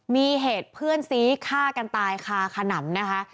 มีเหตุเพื่อนซีฆ่ากันตายคาขนำนะคะ